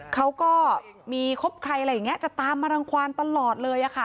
เขาก็มีครบใครอะไรอย่างนี้จะตามมารังความตลอดเลยค่ะ